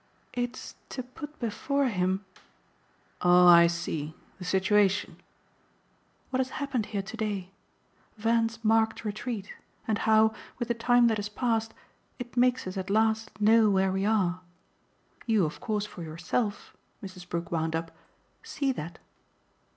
"It's to put before him !" "Oh I see: the situation." "What has happened here to day. Van's marked retreat and how, with the time that has passed, it makes us at last know where we are. You of course for yourself," Mrs. Brook wound up, "see that."